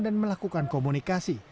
dan melakukan komunikasi